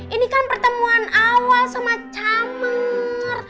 ini kan pertemuan awal sama camer